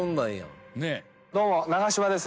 どうも長嶋です。